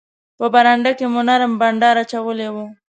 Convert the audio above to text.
په برنډه کې مو نرم بانډار اچولی وو.